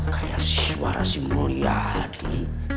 kayak suara si mulyadi